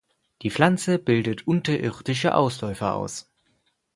Die Pflanze bildet unterirdische Ausläufer aus.